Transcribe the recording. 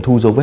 thu dấu vết